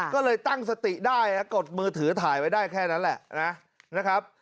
ก็เลยตั้งสติได้กดมือถือถ่ายไว้ได้แค่นั้นแหละนะครับ